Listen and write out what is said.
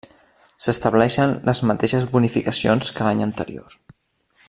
S'estableixen les mateixes bonificacions que l'any anterior.